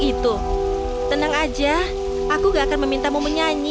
gitu tenang aja aku gak akan meminta mu menyanyi